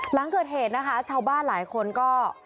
หลังเกิดเหตุนะคะชาวบ้านหลายคนก็